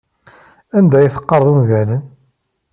Anda ay teqqareḍ ungalen?